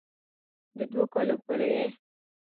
دوؤ کالو پورې ئې